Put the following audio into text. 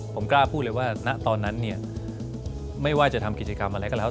ผมกล้าพูดเลยว่าณตอนนั้นเนี่ยไม่ว่าจะทำกิจกรรมอะไรก็แล้ว